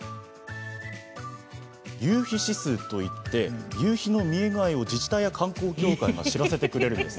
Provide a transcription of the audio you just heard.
夕日指数といって夕日の見え具合を自治体や観光協会が知らせてくれるんです。